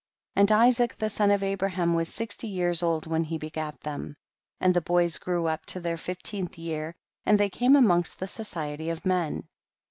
16. And Isaac, the son of Abra ham, was sixty years old when he begat them. 17. And the boys grew up to their fifteenth year, and they came amongst the society of men.